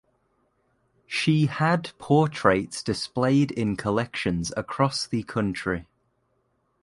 She had portraits displayed in collections across the country.